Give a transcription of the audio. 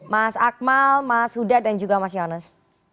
mas akmal mas huda dan juga mas yonus